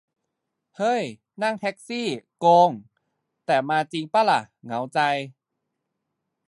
เฮ้ย นั่งแท็กซี่ โกง ! แต่มาจิงป่ะล่ะ เหงาใจ :'